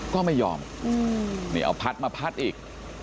ก็ไม่ยอมนี่เอาพัดมาพัดอีก